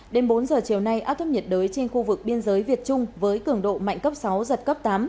đêm bốn giờ chiều nay áp thấp nhiệt đới trên khu vực biên giới việt trung với cường độ mạnh cấp sáu giật cấp tám